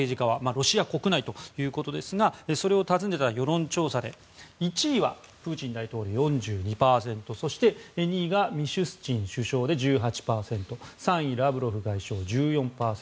ロシア国内ということですがそれを尋ねた世論調査で１位はプーチン大統領４２％そして２位がミシュスチン首相で１８％３位、ラブロフ外相１４％。